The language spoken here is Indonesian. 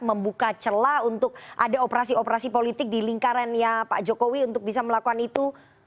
membuka celah untuk ada operasi operasi politik di lingkarannya pak jokowi untuk bisa melakukan itu